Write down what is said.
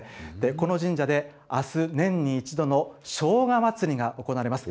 この神社で、あす、年に１度のしょうが祭りが行われます。